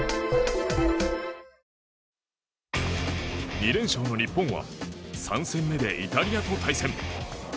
２連勝の日本は３戦目でイタリアと対戦。